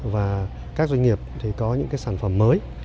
và các doanh nghiệp thì có những cái sản phẩm mới